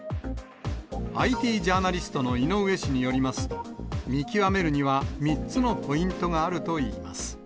ＩＴジャーナリストの井上氏によりますと、見極めるには３つのポイントがあるといいます。